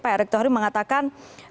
pak eryk tohir mengatakan